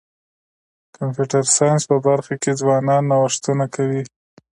د کمپیوټر ساینس په برخه کي ځوانان نوښتونه کوي.